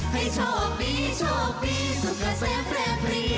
ให้โชคดีโชคดีสุขเสพเร็วดี